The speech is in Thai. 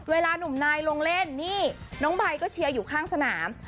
หนุ่มนายลงเล่นนี่น้องใบก็เชียร์อยู่ข้างสนาม